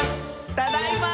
「ただいま」